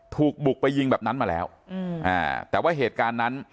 ถูกบุกไปยิงแบบนั้นมาแล้วแต่ว่าเหตุการณ์นั้น